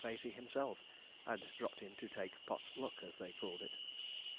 Facey himself, had dropped in to take 'pot luck,' as they called it.